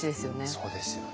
そうですよね。